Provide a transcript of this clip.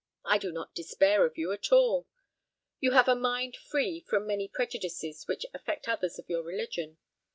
I do not despair of you at all. You have a mind free from many prejudices which affect others of your religion.